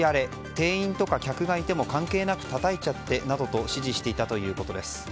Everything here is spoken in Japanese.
店員とか客がいても関係なく、たたいちゃってなどと指示していたということです。